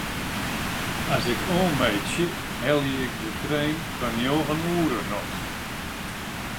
As ik oanmeitsje helje ik de trein fan njoggen oere noch.